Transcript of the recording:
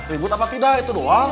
ribut apa tidak itu doang